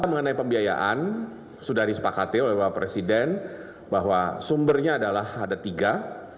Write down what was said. mengenai pembiayaan sudah disepakati oleh bapak presiden bahwa sumbernya adalah ada tiga